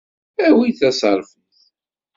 Awi-d taserfiṭ.